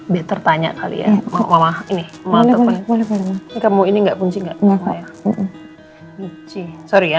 biar tertanya kali ya